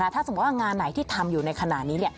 ถ้าสมมุติว่างานไหนที่ทำอยู่ในขณะนี้